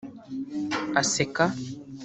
Aseka